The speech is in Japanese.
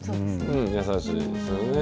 優しいですよね。